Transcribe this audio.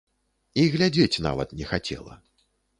І глядзець нават не хацела.